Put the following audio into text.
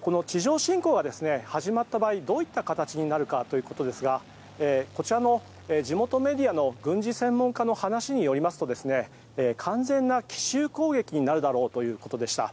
この地上侵攻が始まった場合どういった形になるかということですがこちらの地元メディアの軍事専門家の話によりますと完全な奇襲攻撃になるだろうということでした。